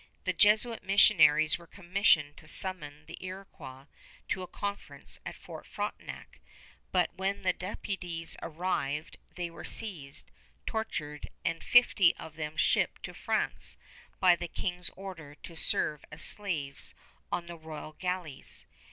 The Jesuit missionaries were commissioned to summon the Iroquois to a conference at Fort Frontenac, but when the deputies arrived they were seized, tortured, and fifty of them shipped to France by the King's order to serve as slaves on the royal galleys.